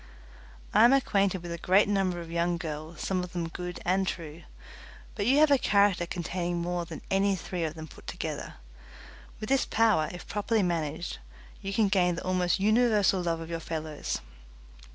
I am acquainted with a great number of young girls, some of them good and true, but you have a character containing more than any three of them put together. With this power, if properly managed, you can gain the almost universal love of your fellows.